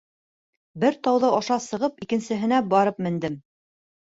Бер тауҙы аша сығып, икенсеһенә барып мендем.